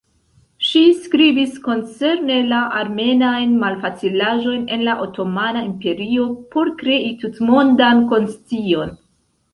Ŝi skribis koncerne la armenajn malfacilaĵojn en la Otomana Imperio por krei tutmondan konscion.